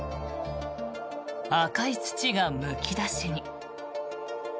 赤い土がむき出しに。